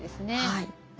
はい。